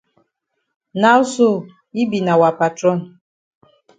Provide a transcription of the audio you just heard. Now sl yi be na wa patron.